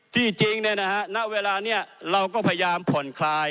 ที่จริงณเวลานี้เราก็พยายามผ่อนคลาย